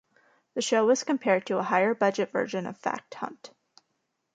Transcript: The show was compared to a higher budget version of "Fact Hunt".